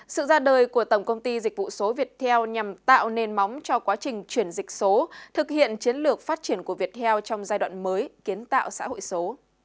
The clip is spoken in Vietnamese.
sự ra đời của tổng công ty dịch vụ số việt heo nhằm tạo nền móng cho quá trình chuyển dịch số thực hiện chiến lược phát triển của việt heo trong giai đoạn mới kiến tạo xã hội số